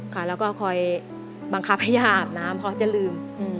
ค่ะแล้วก็คอยบังคับให้ย่าอาบน้ำเพราะจะลืม